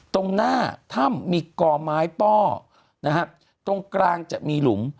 ตรงหน้าถ้ำมีก่อไม้ป้อนะฮะตรงกลางจะมีหลุม